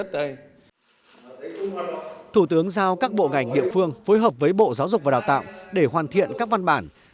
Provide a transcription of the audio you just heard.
thủ tướng giao các bộ ngành địa phương phối hợp với bộ giáo dục và đào tạo để hoàn thiện các văn bản